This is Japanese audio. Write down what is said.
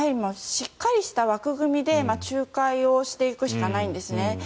しっかりした枠組みで仲介をしていくしかないんです。